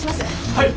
はい。